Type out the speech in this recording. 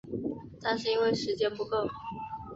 但是因为时间不够